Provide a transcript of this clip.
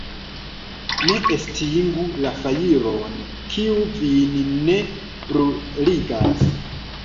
Ne estingu la fajron, kiu vin ne bruligas.